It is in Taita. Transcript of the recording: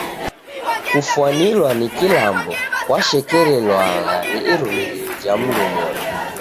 Kufwanilwa ni kilambo kwashekerelwagha ni irumirio ja mndu moni.